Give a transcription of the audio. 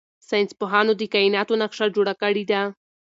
ساینس پوهانو د کائناتو نقشه جوړه کړې ده.